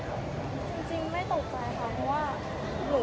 ทีนี้ทำไงก็ไม่รู้